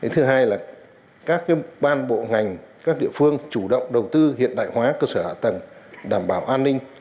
thứ hai là các ban bộ ngành các địa phương chủ động đầu tư hiện đại hóa cơ sở hạ tầng đảm bảo an ninh